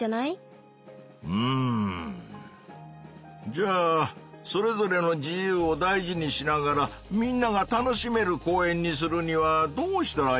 じゃあそれぞれの自由を大事にしながらみんなが楽しめる公園にするにはどうしたらいいのかのう。